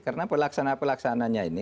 karena pelaksana pelaksananya ini